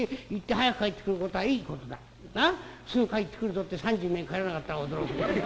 すぐ帰ってくるぞって３０年帰らなかったら驚くんだ。